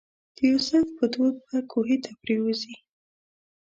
د یوسف په دود به کوهي ته پرېوځي.